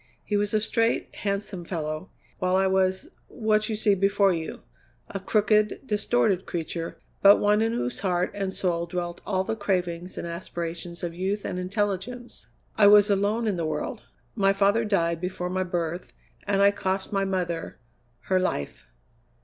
He was a straight, handsome fellow, while I was what you see before you a crooked, distorted creature, but one in whose heart and soul dwelt all the cravings and aspirations of youth and intelligence. I was alone in the world. My father died before my birth, and I cost my mother her life.